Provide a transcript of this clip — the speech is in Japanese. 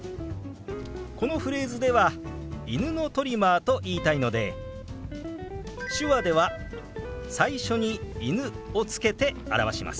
このフレーズでは「犬のトリマー」と言いたいので手話では最初に「犬」をつけて表します。